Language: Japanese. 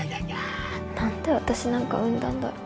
何で私なんか生んだんだろう。